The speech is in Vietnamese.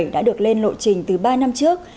đã được lên lộ trình từ ba năm trước